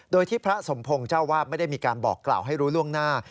โดยที่พระสมพงศ์เจ้าวาดไม่ได้มีการบอกกล่าวให้รู้ล่วงหน้า